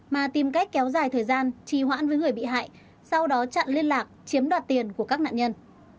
mà tìm cách kéo dài thời gian trì hoãn với người bị hại sau đó chặn liên lạc chiếm đoạt tiền của các nạn nhân